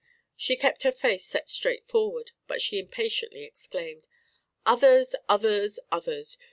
She kept her face set straight forward; but she impatiently exclaimed: "Others, others, others!